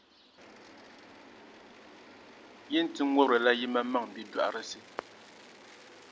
Yi ni ti ŋubirila yimaŋmaŋ’ bidɔɣirisi.